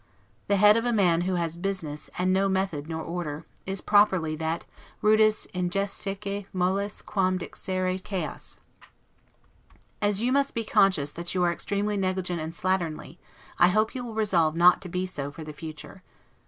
The head of a man who has business, and no method nor order, is properly that 'rudis indigestaque moles quam dixere chaos'. As you must be conscious that you are extremely negligent and slatternly, I hope you will resolve not to be so for the future.